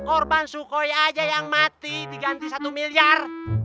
orban sukoi aja yang mati diganti satu miliar